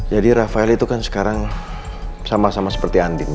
jadi rafael itu kan sekarang sama sama seperti andin